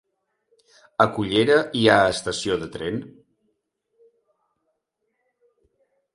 A Cullera hi ha estació de tren?